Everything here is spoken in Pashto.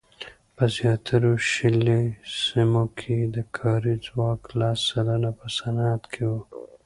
په زیاترو شلي سیمو کې د کاري ځواک لس سلنه په صنعت کې وو.